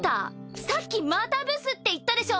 さっきまたブスって言ったでしょ！？